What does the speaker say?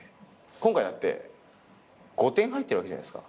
今回５点入ってるわけじゃないっすか。